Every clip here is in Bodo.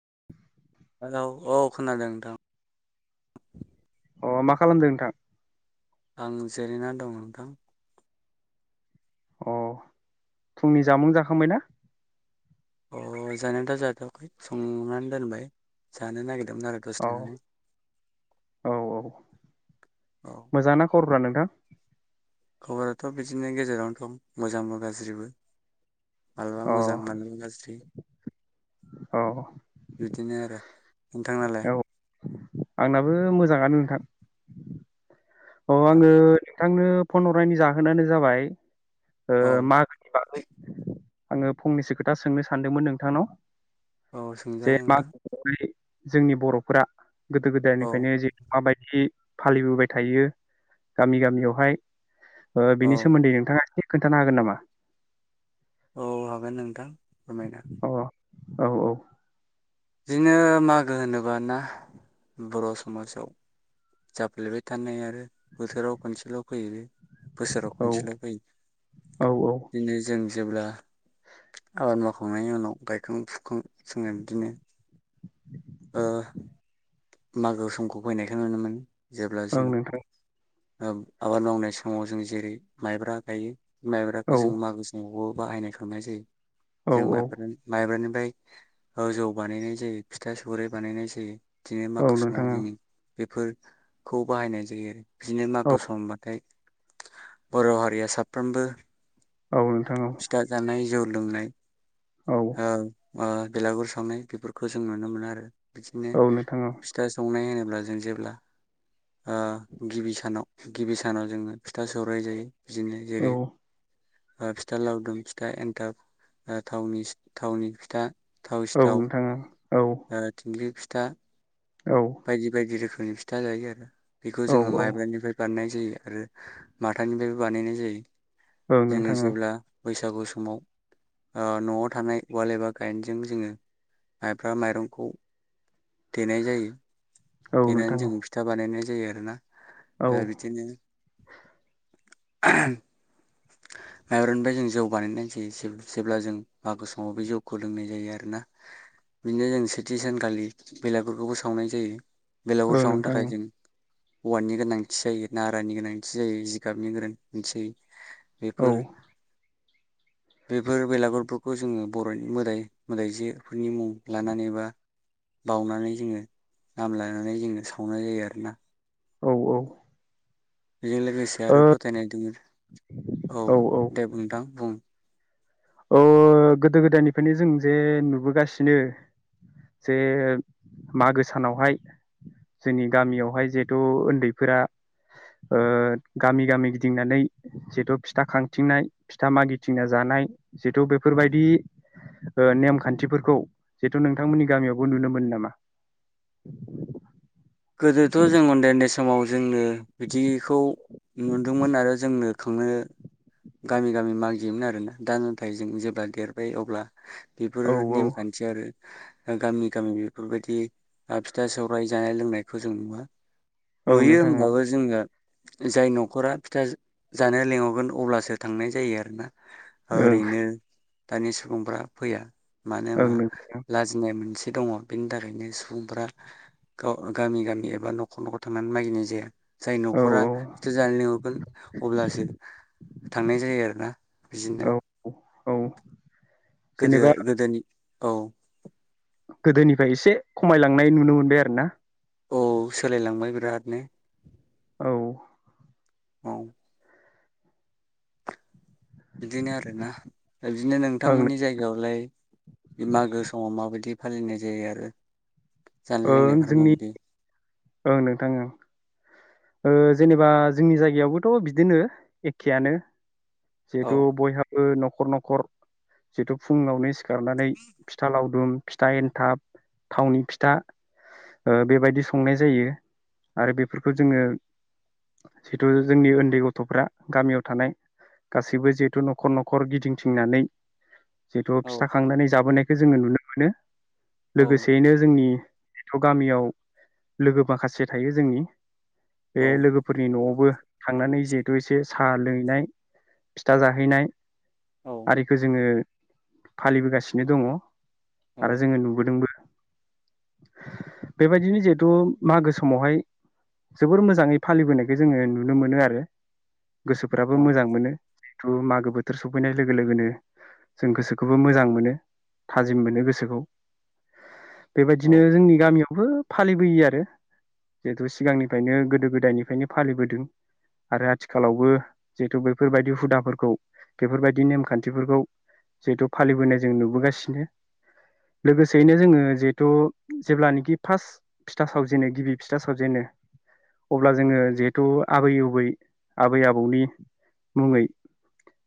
[inaudible] हेलौ औ खोनादों नोंथां। अ मा खालामदों नोंथां? आं जिरायना दं नोंथां। अ फुंनि जामुं जाखांबाय ना? अ जानायाथ' जाथवाखै संनानै दोनबाय जानो नागिर औ औ औ औ मोजां ना खबरफ्रा नोंथां? खबराथ' बिदिनो गेजेरावनो दं मोजांबो गाज्रिबो। माब्लाबा अ मोजां माब्लाबा गाज्रि। औ बिदिनो आरो नोंथांङालाय? औ आंनाबो मोजांङानो नोंथां। अ आङो औ नोंथांनो फन हरनायनि जाहोनानो जाबाय ओ मागोनि बागै आङो फंनैसो खोथा सोंनो सानदोंमोन नोंथांनाव। औ सोंजागोन नोंथां [unintelligible] जोंनि बरफोरा। गोदो औ गोदायनिफ्रायनो [inaudible] माबायदि। बिदि फालिबोबाय थायो। गामि गामियावहाय। ओ औ बिनि सोमोन्दै नोंथाङा इसे। खोन्थानो हागोन नामा। औ हागोन नोंथां। फोरमायनो। अ औ औ। बिदिनो मागो होनोबाना बर समाजाव जाफ्लेबाय थानाय आरो बोथोराव खनसेल फैयो। बोसोराव औ खनसेल फैयो औ औ बिदिनो जों। जेब्ला आबाद मावखांनायनि उनाव गायखां फुखां जोङो बिदिनो। ओ मागो समखौ फैनायखौ नुनो मोनो। ओं जेब्लासिम। नोंथां ओ आबाद मावनाय समाव जों जेरै माइब्रा गायो। माइब्राखौ औ जों मागो समावबो बाहायनाय खांनाय जायो। औ जों औ माइब्रा माइब्रानि फ्राय जौ बानायनाय जायो। फिथा सौराय बानायनाय जायो। दिनै औ मागो समाव नोंथां जोंनि बेफोरखौ बाहायनाय जायो आरो। बिदिनो औ मागो समबाथाय बर हारिया साफ्रोमबो औ नोंथां औ फिथा जानाय, जौ लोंनाय, औ। ओ बेलागुर सावनाय बेफोरखौ जों नुनो मोनो आरो। बिदिनो औ नोंथां औ फिथा संनाय होनो ब्ला जों जेब्ला ओ गिबि सानाव गिबि सानाव जोङो फिथा सौराय जायो। बिदिनो औ जेरै आ फिथा लावदुम, फिथा एन्थाब, थावनि थावनि फिथा, थाव औ सिथाव, नोंथां औ ओ थिंख्लि फिथा, औ बायदि बायदि रोखोम नि फिथा जायो आरो बेखौ जोङो औ औ माइब्रानिफ्राय बानायनाय जा जायो आरो माथानिफ्रायबो बानायनाय जायो। ओं जोङो नोंथां जेब्ला बैसागु समाव ओ न'आव थानाय उवाल एबा गाइेनजों जोङो माइब्रा माइरंखौ देनाय जायो। औ देनानै नोंथां जोङो फिथा बानायनाय जायो आरोना। औ ओ बिदिनो माइब्रा निफ्राय जों जौ बानायनाय जायो। जेब्ला जों मागो समाव बे जौखौ लोंनाय जायो आरोना बिदिनो जों सेथि सानखालि बेलागुरफोरखौबो सावनाय जायो। बेलागुर सावनो नोंथां थाखाय जों औवानि गोनांथि जायो नारानि गोनांथि जायो जिगाबनि गोनांथि जायो। औ बेफोर बेफोर बैलागुरफोरखौ जोङो बर'नि मोदाय मोदायजोफोरनि मुं लानानै बा बावनानै जोङो नाम लानानै जोङो सावनाय जायो आरोना। औ औ बेजों लोगोसे आरो फोथायनाय दङो औ औ औ दे बुं नोंथां बुं औ गोदो गोदायनि फायनि जों जे नुबोगासिनो जे मागो सानावहाय जोंनि गामियावहाय जिहेथु उन्दैफोरा ओ गामि गामि गिदिंनानै जेहेथ फिथा खांथिंनाय फिथा मागिथिंना जानाय। जिथु औ बेफोरबायदि। ओ नेमखान्थिफोरखौ जिथु नोंथांमोननि गामियावबो नुनो मोनो नामा? गोदोथ' जों उन्दै उन्दै समाव जोंनो बिदिखौ नुदोंमोन आरो जोंनो खांनो गामि गामि मागियोमोन आरोना दा नाथाय जों जेब्ला देरबाय अब्ला बेफोरो औ औ नेमखान्थि आरो गामि गामि बेफोरबायदि ओ फिथा सौराय जायाय लोंनाय खौ जों नुवा। औ नुयो नोंथां औ होमबाबो जोङो। जाय नख'रा फिथा जा जानो लेंहरगोन अब्लासो थांनाय जायो आरोना। ओं ओरैनो दानि सुबुंफोरा फैया। मानो ओं होनबा नोंथां लाजिनाय मोनसे दङ बेनि थाखायनो सुबुंफ्रा गाव गामि गामि एबा न'खर न'खर थांनानै मागिनाय जाया। जाय औ नख'रा फिथा जानो लिंहरगोन अब्लासो थांनाय जायो आरोना बिदिनो। औ औ गोदो जेनेबा गोदोनि औ गोदोनिफ्राय एसे खमायलांनाय नुनो मोनबाय आरो ना औ सोलायलांबाय बिरादनो औ औ बिदिनो आरोना बिदिनो ओं नोंथांमोननि जायगायावलाय मागो समाव माबायदि फालिनाय जायो आरो जानाय ओं लोंनायफोरा जोंनि माबायदि ओं नोंथां ओं ओ जेनेबा जोंनि जायगायावबोथ' बिदिनो एखेआनो औ जिहेतु बयहाबो नख' -' र नख'र जिहेतु फुङावनो सि खारनानै फिथा लाव दुम, फिथा एन्थाब, थावनि फिथा ओ बेबायदि संनाय जायो आरो बेफोरखौ जोङो जिथु जोंनि उन्दै गथ'फ्रा गामियाव थानाय गासैबो जिहेतु नखर नखर गिदिंथिंनानै जिहेथु फिथा औ खांनानै जाबोनाय खौ जोङो नुनो मोनो। औ लोगोसेयैनो जोंनि थ गामियाव लोगो माखासे थायो जोंनि बे औ लोगोफोरनि न'आवबो थांनानै जिहेथु एसे साहा लोंहैनाय फिथा जाहैनाय औ आरिखौ जोङो फालिबोगासिनो दङ। औ आरो जोङो नुबोदोंबो। बेबायदिनो जिहेथु मागो समावहाय जोबोर मोजाङै फालिबोनायखौ जोङो नुनो मोनो आरो। गोसोफोराबो औ मोजां मोनो। जिथु मागो बोथोर सफैनाय लोगो लोगोनो जों गोसोखौबो मोजां मोनो थाजिम मोनो गोसोखौ बेबायदिनो जोंनि गामियावबो फालिबोयो आरो जिहेतु सिगांनिफ्रायनो गोदो गोदायनिफ्रायनो फालिबोदों आरो आथिखालावबो जिहेतु बेफोरबायदि हुदाफोरखौ बेफोरबायदि नेमखान्थिफोरखौ जिहेथु फालिबोनाय जों नुबोगासिनो लोगोसेयैनो जोङो जिहेथु जेब्लानोखि फार्स्ट फिथा सावजेनो गिबि फिथा सावजेनो अब्ला जोङो जिहेथु आबै उबै आबै आबौनि मुङै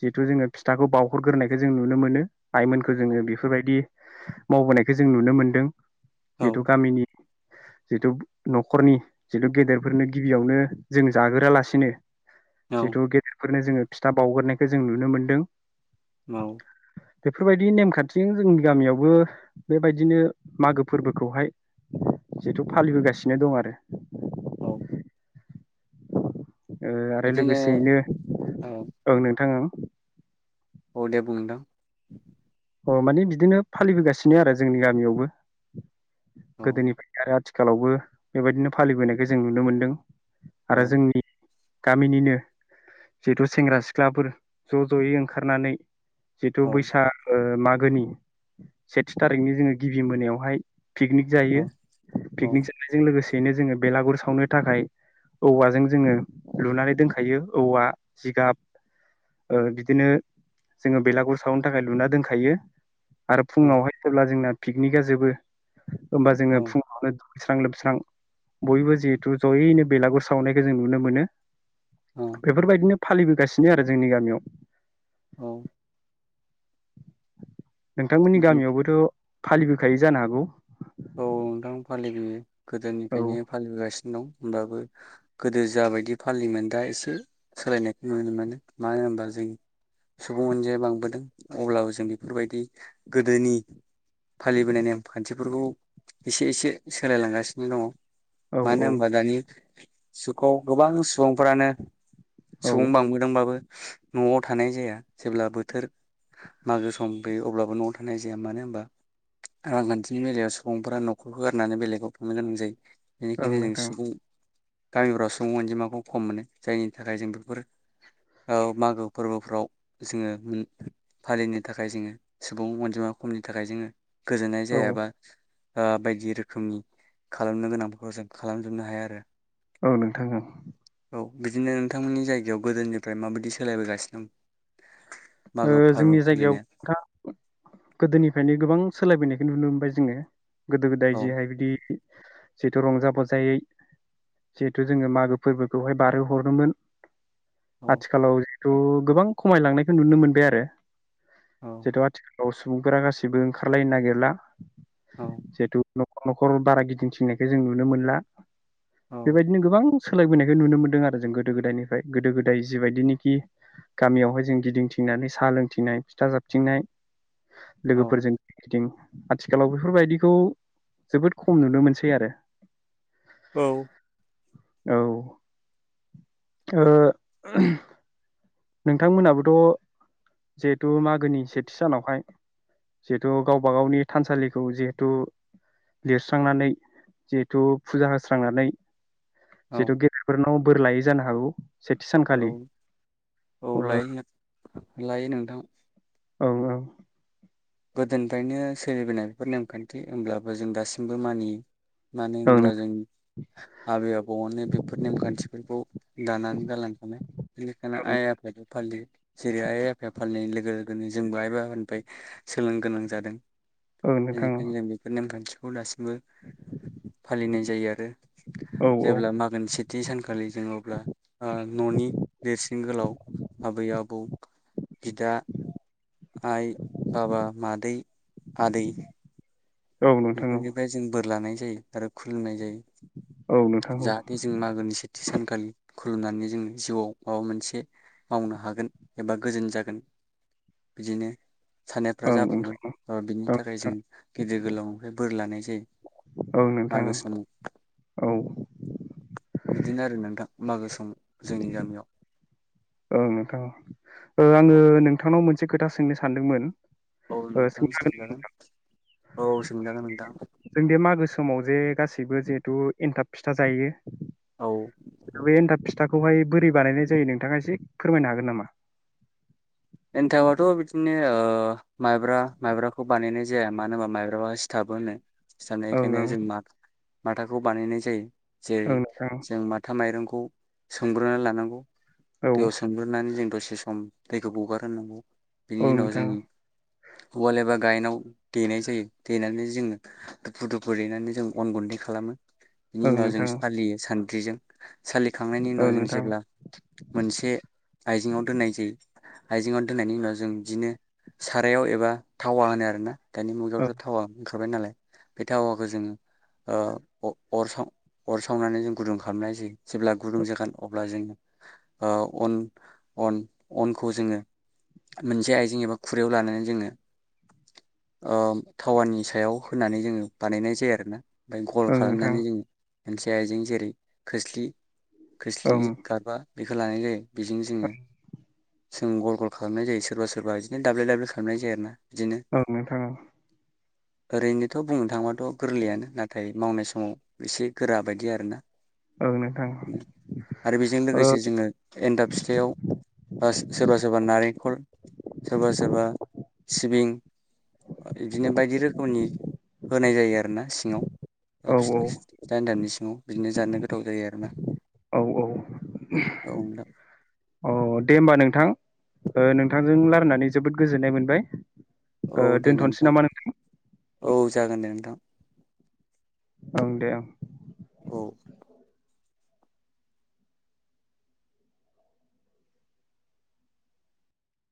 जिहेथु जोङो फिथाखौ बाव हर ग्रोनायखो जों नुनो मोनो आइमोनखोजोङो बेफोरबायदि मावबोनायखौ जों नुनो मोन्दों। औ जिहेथु गामिनि जिथु नख'रनि जितु गेदेरफोरनो गिबियावनो जों जागोरालासिनो औ जिथु गेदेर फोरनो जोङो फिथा बावगोरनायखो जों नुनो मोन्दों। औ बेफोरबायदि नेमखान्थिजों जोंनि गामियावबो बेबायदिनो मागो फोरबोखौहाय जिहेथु फालिबोगासिनो दं आरो। औ ओ आरो बिदिनो लोगोसेयैनो औ ओं नोंथां ओं अदे बुंं नोंथां अह माने बिदिनो फालिबोगासिनो आरो जोंनि गामियावबो। गोदोनिफ्राय आरो आथिखा लावबो बेबायदिनो फालिबोनायखौ जों नुनो मोन्दों। औ आरो जोंनि गामिनिनो जिहेथु सेंग्रा सिख्लाफोर ज'-ज'यै ओंखारनानै जिथु औ बैसा ओ मागोनि सेथि थारिखनि जोङो गिबि मोनायावहाय पिकनिक जायो औ औ पिकनिक जानायजों लोगोसे यैनो जोङो बेलागुर सावनो थाखाय औवाजों जोङो लुनानै दोनखायो औवा जिगाब ओ बिदिनो जोङो बेलागुर सावनो थाखाय लुना दोन खायो आरो औ फुङावहाय जेब्ला जोंना पिकनिका जोबो होमबा औ जोङो फुङावनो दु स्रां लोबस्रां बयबो जिहेथु जयैनो बेलागुर सावनायखौ जों नुनो मोनो। औ बेफोरबायदिनो फालिबोगासिनो आरो जोंनि गामियाव। औ। नोंथांमोननि गामियावबोथ फालिबोखाय जानो हागौ? औ नोंथां फालिबोयो। औ गोदोनिफायनो फालिबोगासिनो दं। होमबाबो गोदो जाबायदि फालियोमोन दा एसे सोलायनायखो नुनो मोनो मानो होनबा जों सुबुं अनजिाया बांबोदों अब्लाबो जों बेफोरबायदि गोदोनि फालिबोनाय नेम खान्थिफोरखौ एसे एसे सोलायलांगासिनो दङ। औ मानो होमब दानि सुखाव गोबां सुबुंफोरानो औ सुबुं बांबोदोंबाबो न'आव थानाय जाया जेब्ला बोथोर मागो सम गैयो अब्लाबो न'आव थानाय जाया मानो होनबा रांखान्थिनि बेलायाव स बुंफोरा नखरखौ गारनानै बेलेगाव थांनो गोनां जायो। ओं बेनिखायनो जों नोंथां सुबुं गामिफ्राव सुबुं अनजिमाखौ खम मोनो जायनि थाखाय जों बेफोर औ मागो फोरबोफ्राव जोङो उम फालिनो थाखाय जोङो सुबुं अनजिमा खमनि थाखाय जोङो गोजोननाय औ जाया बा ओ बायदि रोखोमनि खालामनो गोनांफोरखौ जों खालामजोबनो हायाआरो औ नोंथां औ। औ बिदिनो नोंथांमोननि जायगायाव गोदोनिफ्राय माबायदि सोलायबोगासिनो दं? ओ मागो फोरबो जोंनि फालिनाया जायगायावथा गोदोनिफ्रायनो गोबां सोलायबोनाय नुनो मोनबाय जोङो। गोदो गोदाय औ जे हायबिदि जिहेथु रंजा बाजायै जिहेथु जोङो मागो फोरबोखौहाय बारहोहरोमोन औ आथिखालाव थु गोबां खमायलांनाय नुनो मोनबाय आरो औ जेथु आथिख औ सुबुंफोरा गासैबो ओंखारलायनो नागिरला औ जेथु न'खर न'खर बारा गिदिंथिंनायखो जों नुनो मोनला। औ बेबायदिनो गोबां सोलायबोनायखौ नुनो मोन्दों आरो जों गोदो गोदायनिफ्राय गोदो गोदाय जिबायदिनिखि गामियावहाय जों। गिदिंथिंनानै सा लोंथिंनाय फिथा जाबथिंनाय लोगोफोरजों गि गिदिं आथिखालाव बेफोरबायदिखौ जोबोद खम नुनो मोनसै आरो। औ। औ ओ [unintelligible] नोंथांमोनहाबोथ जिहेथु मागोनि सेथि सानावहाय जिहेथु गावबा गावनि थानसालिखौ जिहेथु लिरस्रांनानै जिहेथु फुजा होस्रांनानै। औ जिथु गेदेरफोरनाव। बोर लायो जानो हागौ। सेथि सानखालि। ओ औलाय। लायो नोंथां। औ औ। गोदोनिफ्रायनो सोलिबोनाय बेफोर नेमखान्थि होमब्लाबो जों दासिमबो मानियो। मानो औ होनब्ला जों आबै आबौआनो बेफोर नेमखान्थिफोरखौ दानानै गालांखानाय बेनिखायनो नोंथां आइ आफायाबो फालियो। जेरै आइ आफाया फालिनाय लोगो लोगोनो जोंबो आइ बाबानिफ्राय सोलोंनो गोनां जादों। औ नोंथां बेनिखायनो जों बेफोर नेमखान्थि दासिमबो। नाय जायो आरो। औ औ जेब्ला मागोनि सेथि सानखालि जों अब्ला ओ ननि देरसिन गोलाव आबै आबौ। बिदा। आइ बाबा मादै आदै। औ नोंथां औ बेफोरनिफ्राय जों बोर लानाय। जायो आरो खुलुमनाय जायो। औ नोंथां औ जाहाथे जों मागोनि सेथि सान खालि खुलुमनानै जों जिउआव माबा मोनसे मावनो हागोन एबा गोजोन जागोन बिदिनो साननायफ्रा ओं नोंथां जाफुंगोन ओ बिनि औ थाखाय जों गिदिर गोलाव बोर लानाय जायो औ नोंथां मागो समाव औ औ बिदिनो आरो नोंथां मागो सम जोंनि गामियाव औ नोंथां औ ओ आङो औ नोंथांनाव मोन मोनसे खोथा सोंनो सानदोंमोन औ ओ नोंथां सोंनो सोंजागोन औ सोंजागोन नोंथां बिबो जिहेथु एनथाब फिथा जायो औ बे एन्थाब फिथाखौहाय बोरै बानायनाय जायो नोंथाङा एसे फोरमायनो हागोन नामा? एन्थाबाथ बिदिनो ओ माइब्रा माइब्राखौ बानायनाय जाया मानो होनबा माइब्राया सिथाबो होनो। साननाय ओं खायनो ओं जों मा माथाखौ बानायनाय जायो जेरै जों माथा माइरंखौ खौ सोंग्रोनानै लानांगौ दैयाव सोंग्रनानै जों दसे सम थै गोबावगारनांगौ बिनि ओं उनाव नोंथां जोङो उवाल एबा गायनाव देनाय जायो देनानै जोङो दुफु दुफु देनानै जों अन गुन्दै खालामो बिनि औ उनाव जों नोंथां फालियो सान दिजों सालिखांनायनि ओं उनाव जों नोंथां जेब्ला मोनसे आइजेङाव दोननाय जायो आइजेंआव दोननायनि उनाव जों बिदिनो सारायाव एबा थावा होनो आरोना दानि मुगायावथ थावा होनखा हरबाय नालाय बे थावाखौ जोङो ओ अर साव अर सावनानै जों गुदुं खालामनाय जायो जेब्ला गुदुं जागोन अब्ला जोङ ओ अन-अन अनखौ जोङो मोनसे आइजें एबा खुरैयाव लानानै जोङो ओ थटावानि सायाव होनानै जोङो बानायनाय जायो आरोना ओमफ्राय गल ओं नोंथां खालामनानै जोङो मोनसे आइजें जेरै खोस्लि खोस्लि ओं गारबा बेखौ लानाय जायो बेजोंनो जोङो जों गल गल खालामनाय जायो सोरबा सोरबा बिदिनो दाब्ले दाब्ले खालामनाय जायो आरो ना औ नोंथां औ। ओरैनोथ' बुंनो थांबाथ' गोरलैयानो नाथाय मावनाय समाव एसे गोरा बायदि आरोना ओं ओं नोंथां ओं नोंथां ओ आरो बेजों ओ लोगोसे जोङो एनथाब फिथायाव सोरबा सोरबा नारेंखल सोरबा सोरबा सिबिं बिदिनो बायदि रोखोमनि होनाय जायो आरोना सिङाव ओ औ फिथा सि दामनि सिङाव बिदिनो जानो गोथाव जायो आरोना औ औ औ नोंथां। अ दे होमबा नोंथां ओ नोंथांजों लारायनानै जोबोद गोजोननाय मोनबाय औ ओ दे दोनथ'नोसै नोंथां नामा औ जागोन दे नोंथां। ओं दे ओं। औ